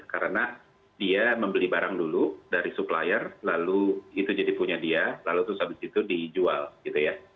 karena dia membeli barang dulu dari supplier lalu itu jadi punya dia lalu terus habis itu dijual gitu ya